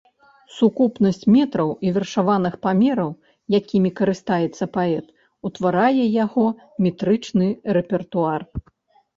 Сукупнасць метраў і вершаваных памераў, якімі карыстаецца паэт, утварае яго метрычны рэпертуар.